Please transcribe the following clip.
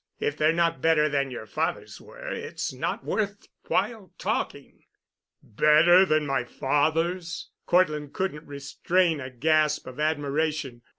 If they're not better than your father's were, it's not worth while talking." "Better than my father's?" Cortland couldn't restrain a gasp of admiration.